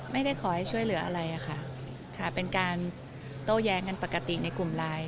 ไม่ได้ขอให้ช่วยเหลืออะไรค่ะค่ะเป็นการโต้แย้งกันปกติในกลุ่มไลน์